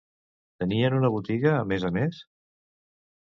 Tenien una botiga, a més a més?